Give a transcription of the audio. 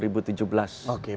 kira kira dengan pounds